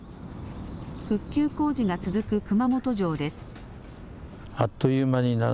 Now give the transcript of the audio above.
復旧工事が続く熊本城です。